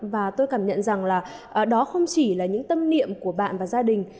và tôi cảm nhận rằng là đó không chỉ là những tâm niệm của bạn và gia đình